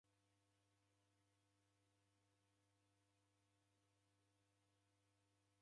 Kusekabane na kiambaza, kuakuvavira